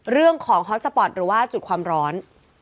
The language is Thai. เรื่องของฮอตสปอร์ตหรือว่าจุดความร้อน